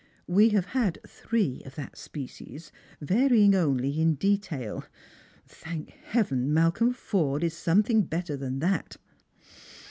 We have had three of that species, varying only in detail. Thank heaven Malcolm Forde is something better than that."